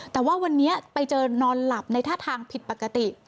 แต่ว่าวันนี้ไปเจอนอนหลับในท่าทางผิดปกติ